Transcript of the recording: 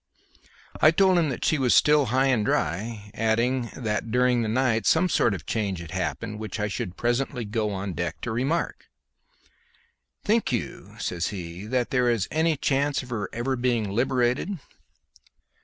I told him that she was still high and dry, adding that during the night some sort of change had happened which I should presently go on deck to remark. "Think you," says he, "that there is any chance of her ever being liberated?"